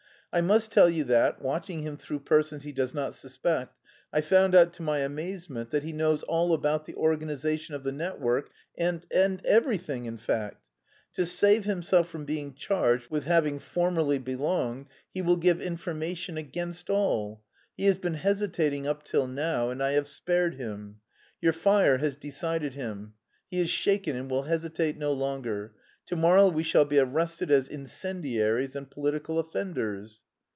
I must tell you that, watching him through persons he does not suspect, I found out to my amazement that he knows all about the organisation of the network and... everything, in fact. To save himself from being charged with having formerly belonged, he will give information against all. He has been hesitating up till now and I have spared him. Your fire has decided him: he is shaken and will hesitate no longer. To morrow we shall be arrested as incendiaries and political offenders."